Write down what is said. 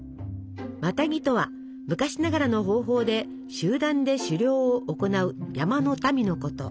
マタギとは昔ながらの方法で集団で狩猟を行う山の民のこと。